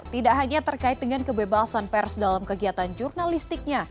tidak hanya terkait dengan kebebasan pers dalam kegiatan jurnalistiknya